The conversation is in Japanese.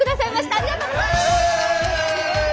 ありがとうございます。